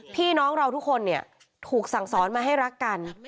พี่น้องเราทุกคนเนี่ยถูกสั่งสอนมาให้รักกัน